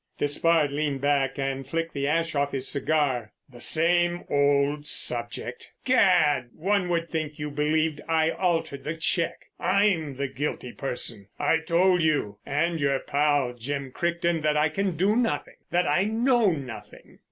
Despard leaned back and flicked the ash off his cigar. "The same old subject. Gad, one would think you believed I altered the cheque, I'm the guilty person. I've told you and your pal, Jim Crichton, that I can do nothing, that I know nothing."